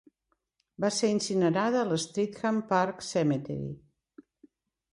Va ser incinerada al Streatham Park Cemetery.